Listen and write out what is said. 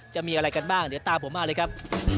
จะมีอะไรกันบ้างเดี๋ยวตามผมมาเลยครับ